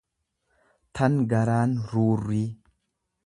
tan garaan ruurrii.